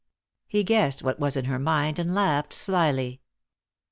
He guessed what was in her mind, and laughed slyly.